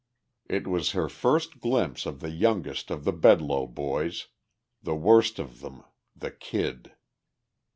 It was her first glimpse of the youngest of the Bedloe boys, the worst of them the "Kid."